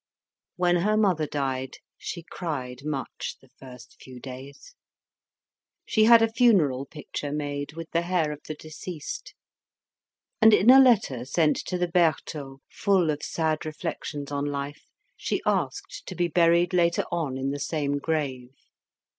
When her mother died she cried much the first few days. She had a funeral picture made with the hair of the deceased, and, in a letter sent to the Bertaux full of sad reflections on life, she asked to be buried later on in the same grave.